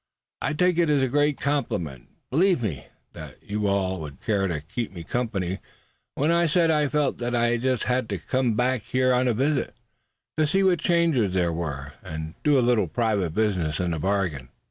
"I take it as a great compliment, believe me, that you all would care to keep me company when I said I felt that I just had to come back here on a visit, to see what changes there were, and do a little private business in the bargain.